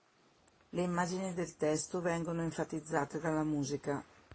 Le immagini del testo vengono enfatizzate dalla musica.